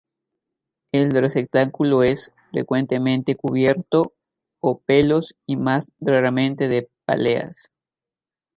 El receptáculo es frecuentemente cubierto o pelos y, más raramente, de páleas.